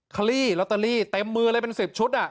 คลีลัตเตอรี่เต็มมือเลยเป็นสิบชุดอ่ะ